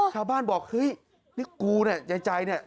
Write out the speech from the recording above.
ชาวบ้านบอกเฮ่ยนี่กูเนี่ยใจเนี่ย